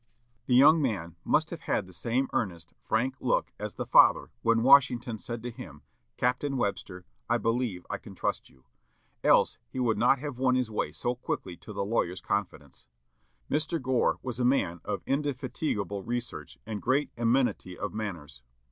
'" The young man must have had the same earnest, frank look as the father when Washington said to him, "Captain Webster, I believe I can trust you," else he would not have won his way so quickly to the lawyer's confidence. Mr. Gore was a man of indefatigable research and great amenity of manners.